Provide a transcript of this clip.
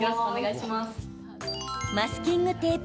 マスキングテープ